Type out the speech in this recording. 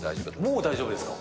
もう大丈夫ですか。